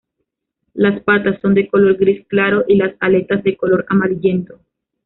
Las patas son de color gris claro y las aletas de color amarillento.